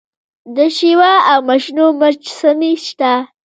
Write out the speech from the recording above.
د شیوا او وشنو مجسمې شته